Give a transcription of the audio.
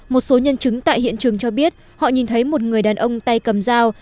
một số nhân chứng tại hiện trường cho biết họ nhìn thấy một người đàn ông tay cầm dao